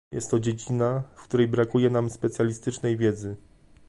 Jest to dziedzina, w której brakuje nam specjalistycznej wiedzy